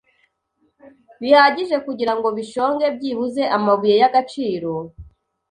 bihagije kugirango bishonge byibuze amabuye y'agaciro